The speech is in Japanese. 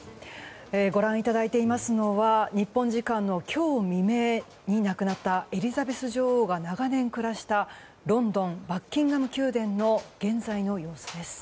ご覧いただいていますのは日本時間の今日未明に亡くなったエリザベス女王が長年暮らしたロンドン、バッキンガム宮殿の現在の様子です。